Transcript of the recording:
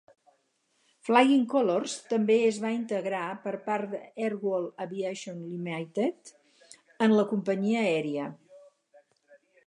Flying Colors també es va integrar per part d'Airworld Aviation Limited en la companyia aèria.